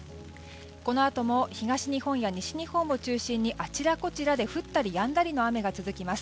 このあとも東日本や西日本を中心に、あちらこちらで降ったりやんだりの雨が続きます。